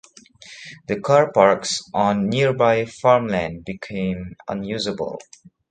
The carparks on nearby farmland became unusable.